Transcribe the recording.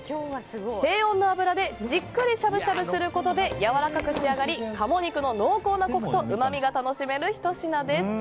低温の油でじっくりしゃぶしゃぶすることでやわらかく仕上がり、鴨肉の濃厚なコクとうまみが楽しめるひと品です。